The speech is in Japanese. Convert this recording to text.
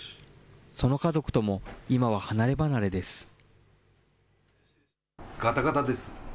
その家族とも今は離れ離れです。